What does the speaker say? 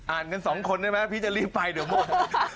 อ่านกัน๒คนได้ไหมพี่จะรีบไปเดี๋ยวหมด